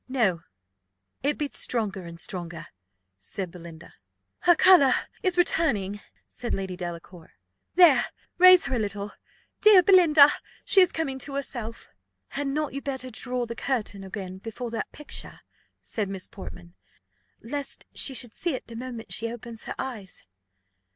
"No; it beats stronger and stronger," said Belinda. "Her colour is returning," said Lady Delacour. "There! raise her a little, dear Belinda; she is coming to herself." "Had not you better draw the curtain again before that picture," said Miss Portman, "lest she should see it the moment she opens her eyes?"